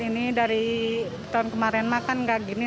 ini dari tahun kemarin makan nggak gini